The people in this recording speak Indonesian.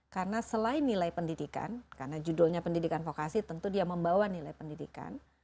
karena selain nilai pendidikan karena judulnya pendidikan vokasi tentu dia membawa nilai pendidikan